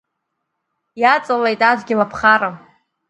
Иаҵалеит адгьыл аԥхара…